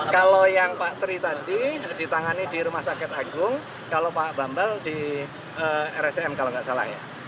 kalau yang pak tri tadi ditangani di rumah sakit agung kalau pak bambal di rscm kalau nggak salah ya